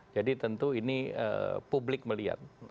jadi tentu ini publik melihat